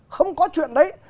không có chuyện đấy